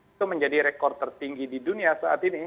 itu menjadi rekor tertinggi di dunia saat ini